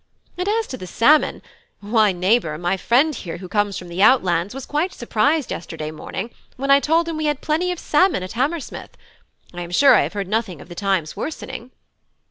And as to the salmon, why, neighbour, my friend here, who comes from the outlands, was quite surprised yesterday morning when I told him we had plenty of salmon at Hammersmith. I am sure I have heard nothing of the times worsening."